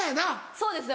そうですね